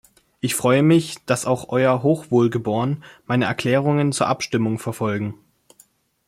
Ich freue mich, dass auch Euer Hochwohlgeboren meine Erklärungen zur Abstimmung verfolgen.